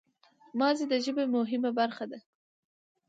ماضي د ژبي مهمه برخه ده.